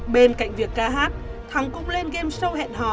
bên cạnh việc ca hát thắng cũng lên game show hẹn hò